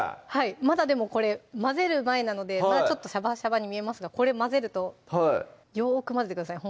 まだでもこれ混ぜる前なのでしゃばしゃばに見えますがこれ混ぜるとよく混ぜてください